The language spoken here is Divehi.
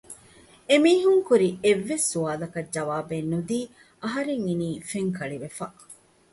އެމީހުން ކުރި އެއްވެސް ސުވާލަކަށް ޖަވާބެއް ނުދީ އަހަރެން އިނީ ފެންކަޅިވެފަ